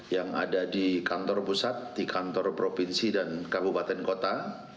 yang ada di kantor pusat di kantor provinsi dan kabupaten kota